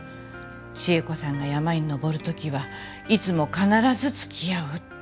千恵子さんが山に登るときはいつも必ずつきあうって。